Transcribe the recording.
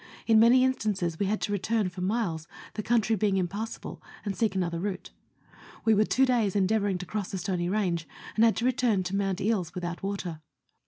In many instances we had to return for miles, the country being impassable, and seek another route. We were two days endeavouring to cross a stony range, and had to return to Mount Eeles, without water.